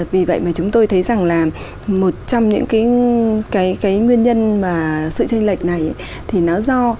vì vậy mà chúng tôi thấy rằng là một trong những nguyên nhân mà sự tranh lệch này thì nó do